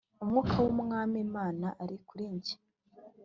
Umwuka w Umwami Imana ari kuri jye